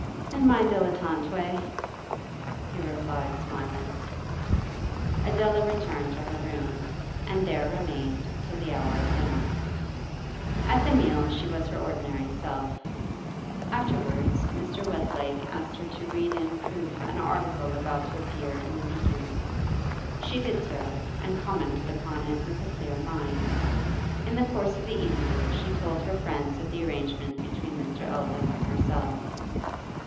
'In my dilettante way,' he replied smiling. Adela returned to her room, and there remained till the hour of dinner. At the meal she was her ordinary self. Afterwards Mr. Westlake asked her to read in proof an article about to appear in the 'Beacon'; she did so, and commented upon it with a clear mind. In the course of the evening she told her friends of the arrangement between Mr. Eldon and herself.